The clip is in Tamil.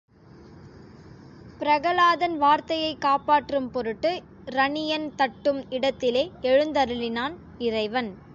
பிரகலாதன் வார்த்தையைக் காப்பாற்றும் பொருட்டு இரணியன் தட்டும் இடத்திலே எழுந்தருளினான் இறைவன்.